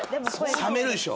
冷めるでしょ。